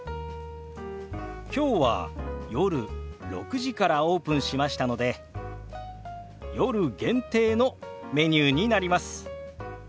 きょうは夜６時からオープンしましたので夜限定のメニューになります。